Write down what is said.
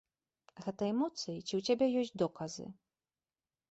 Гэта эмоцыі ці ў цябе ёсць доказы?